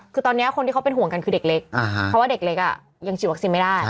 คือตอนนี้คนที่เขาเป็นห่วงกันคือเด็กเล็กเพราะว่าเด็กเล็กยังฉีดวัคซีนไม่ได้